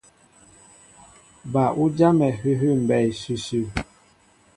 Ba' ú jámɛ hʉhʉ́ mbɛɛ ǹsʉsʉ.